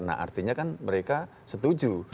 nah artinya kan mereka setuju